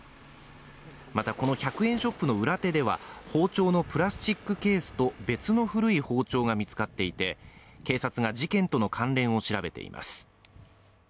また、この１００円ショップの裏手では包丁のプラスチックケースと別の古い包丁が見つかっていて、警察が事件との関連を調べています。